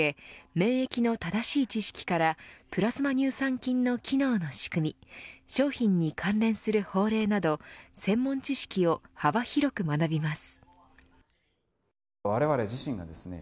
免疫の正しい知識からプラズマ乳酸菌の機能の仕組み商品に関連する法令など専門知識を幅広く学びます。